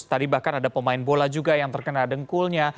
tadi bahkan ada pemain bola juga yang terkena dengkulnya